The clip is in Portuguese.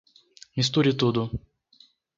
Misture tudo